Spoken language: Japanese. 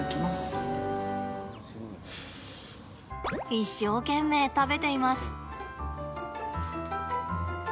一生懸命、食べています。